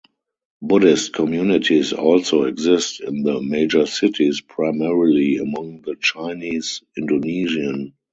Buddhist communities also exist in the major cities, primarily among the Chinese Indonesian.